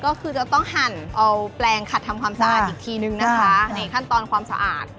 ก็คือจะต้องหั่นเอาแปลงขัดทำความสะอาดอีกทีนึงนะคะในขั้นตอนความสะอาด